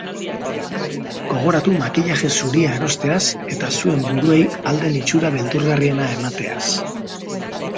Gogoratu makillaje zuria erosteaz eta zuen buruei ahal den itxura beldurgarriena emateaz.